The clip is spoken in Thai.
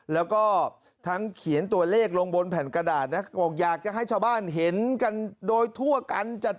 แล้วก็ทั้งเขียนตัวเลขลงบนแผ่นกระดาษนะบอกอยากจะให้ชาวบ้านเห็นกันโดยทั่วกัน